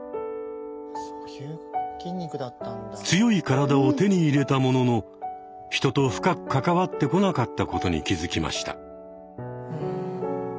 強い体を手に入れたものの人と深く関わってこなかったことに気付きました。